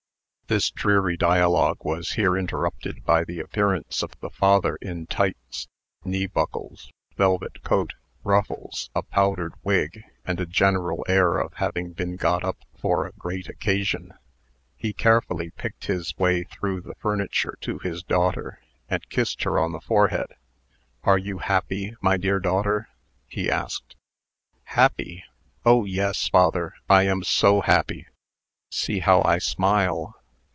This dreary dialogue was here interrupted by the appearance of the father in tights, knee buckles, velvet coat, ruffles, a powdered wig, and a general air of having been got up for a great occasion. He carefully picked his way through the furniture to his daughter, and kissed her on the forehead. "Are you happy, my dear daughter?" he asked. "Happy? Oh! yes, father, I am so happy! See how I smile."